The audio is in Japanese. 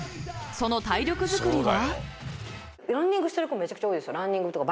その体力づくりは。